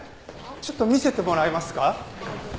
ちょっと見せてもらえますか？